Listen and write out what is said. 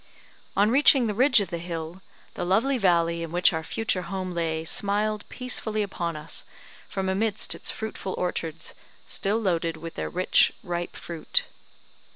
On reaching the ridge of the hill, the lovely valley in which our future home lay smiled peacefully upoon us from amidst its fruitful orchards, still loaded with their rich, ripe fruit.